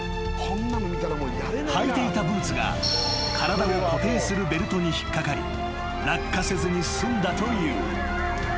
［履いていたブーツが体を固定するベルトに引っ掛かり落下せずに済んだという］